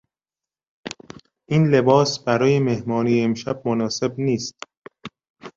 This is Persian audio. این لباس برای مهمانی امشب مناسب نیست.